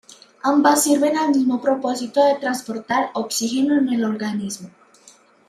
Ambas sirven al mismo propósito de transportar oxígeno en el organismo.